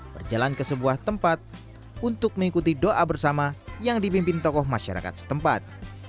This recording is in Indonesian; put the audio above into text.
berjalan ke sebuah tempat untuk mengikuti doa bersama yang dipimpin tokoh masyarakat setempat